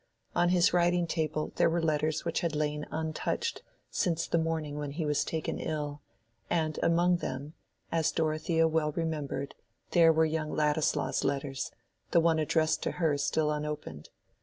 On his writing table there were letters which had lain untouched since the morning when he was taken ill, and among them, as Dorothea well remembered, there were young Ladislaw's letters, the one addressed to her still unopened.